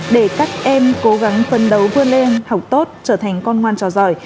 để các em cố gắng phân đấu vươn lên học tốt trở thành con ngoan trò giỏi